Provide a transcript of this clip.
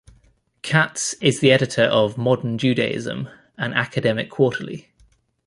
Katz is the editor of "Modern Judaism", an academic quarterly.